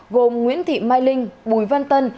gồm nguyễn thị mai linh bùi văn tân